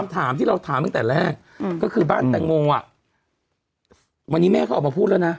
ถามที่เราถามตั้งแต่แรกก็คือบ้านแตงโมอ่ะวันนี้แม่เขาออกมาพูดแล้วนะ